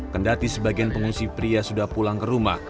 kendati sebagian pengungsi pria sudah pulang ke rumah